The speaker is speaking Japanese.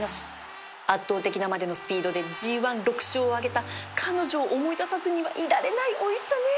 圧倒的なまでのスピードで ＧⅠ６ 勝を挙げた彼女を思い出さずにはいられないおいしさね